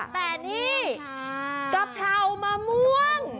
แต่นี่กะเพรามะม่วง